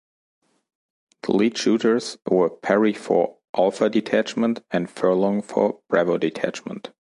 The lead shooters were Perry, for Alpha Detachment, and Furlong, for Bravo Detachment.